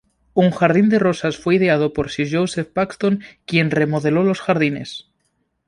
Un jardín de rosas fue ideado por Sir Joseph Paxton, quien remodeló los jardines.